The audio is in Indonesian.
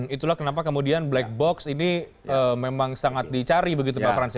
itulah kenapa kemudian black box ini memang sangat dicari begitu pak fransi